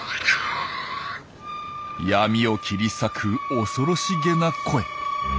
闇を切り裂く恐ろしげな声。